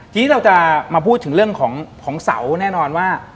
ทีนี้เราจะมาพูดถึงเรื่องของเสาแน่นอนว่า